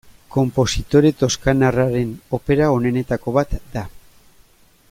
Konpositore toskanarraren opera onenetako bat da.